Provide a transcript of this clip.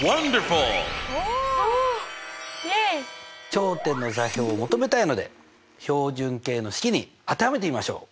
頂点の座標を求めたいので標準形の式に当てはめてみましょう。